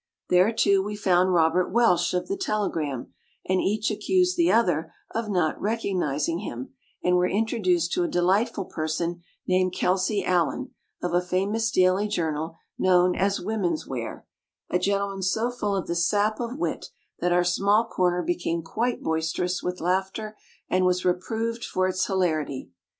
There too we found Robert Welsh of the "Telegram" and each accused the other of not recognizing him, and were introduced to a delightful person named Kelsey Allen, of a famous daily journal known as "Women's Wear", a gentleman so full of the sap of wit that our small corner became quite boisterous with laughter and was re proved for its hilarity.